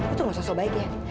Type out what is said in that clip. itu nggak sosok baik ya